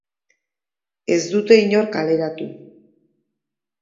Ez dute inor kaleratu.